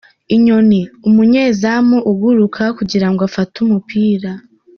Inyoni : Umunyezamu uguruka kugirango afate umupira.